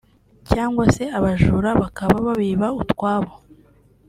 cyangwa se abajura bakaba babiba utwabo